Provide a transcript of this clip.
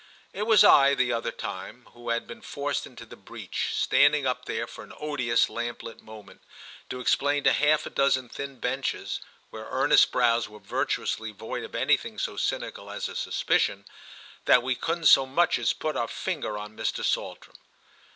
It was I, the other time, who had been forced into the breach, standing up there for an odious lamplit moment to explain to half a dozen thin benches, where earnest brows were virtuously void of anything so cynical as a suspicion, that we couldn't so much as put a finger on Mr. Saltram.